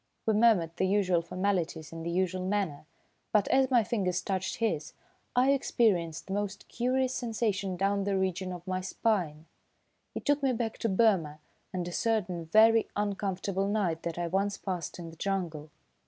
We murmured the usual formalities in the usual manner, but as my fingers touched his, I experienced the most curious sensation down the region of my spine. It took me back to Burma and a certain very uncomfortable night that I once passed in the jungle.